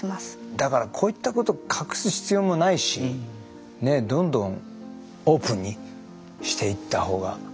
だからこういったことを隠す必要もないしどんどんオープンにしていったほうが。